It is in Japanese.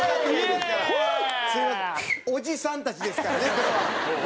おじさんたちですからね今日は。